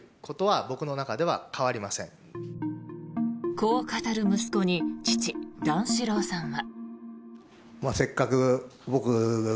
こう語る息子に父・段四郎さんは。